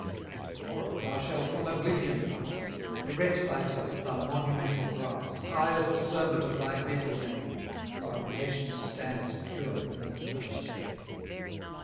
Yet Corah, thou shalt from oblivion pass; Erect thyself, thou monumental brass, High as the serpent of thy metal made, While nations stand secure beneath thy shade.